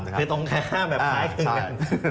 เป็นตรงค่าแบบคล้ายขึ้นกัน